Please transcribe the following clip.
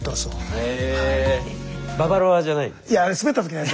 へババロアじゃないんだ。